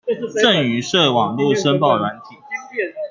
贈與稅網路申報軟體